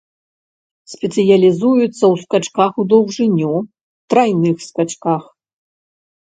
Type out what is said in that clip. Спецыялізуецца ў скачках ў даўжыню, трайных скачках.